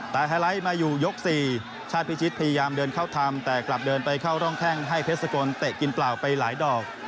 แต่ไฮไลท์มาอยู่ยก๔ชาติพิชิตพยายามเดินเข้าทำแต่กลับเดินไปเข้าร่องแข้งให้เพชรสกลเตะกินเปล่าไปหลายดอก